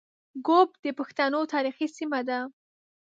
ږوب د پښتنو تاریخي سیمه ده